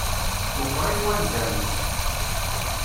Meqqṛit wanzaren-is.